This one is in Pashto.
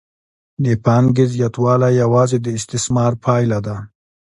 د پانګې زیاتوالی یوازې د استثمار پایله ده